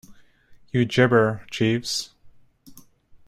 You gibber, Jeeves.